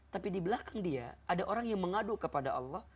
tapi di belakang dia ada orang yang mengadu kepada allah